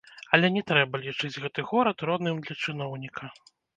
Але не трэба лічыць гэты горад родным для чыноўніка.